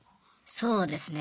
そうですね。